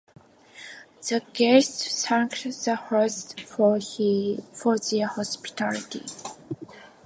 The guests thanked the hosts for their hospitality.